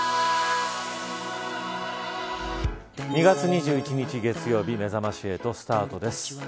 ２月２１日、月曜日めざまし８スタートです。